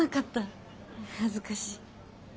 恥ずかしい。